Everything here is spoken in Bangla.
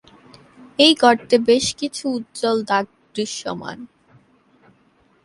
এই গর্তে বেশ কিছু উজ্জ্বল দাগ দৃশ্যমান।